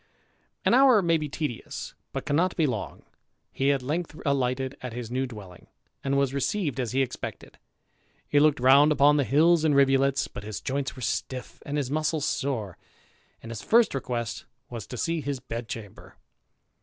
An hour may be tedious, but cannot be long. He at length alighted at his new dwelling, and was received as he expected ; he looked round upon the hills and rivulets, but his joints were stiff and his muscles sore, and his first request was to see his bed chamber.